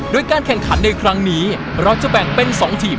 โดยการแข่งขันในครั้งนี้เราจะแบ่งเป็น๒ทีม